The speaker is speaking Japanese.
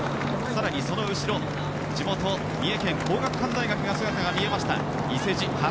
更に、その後ろ地元・三重県、皇學館大学の姿が見えました。